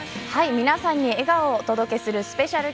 皆さんに笑顔をお届けするスペシャル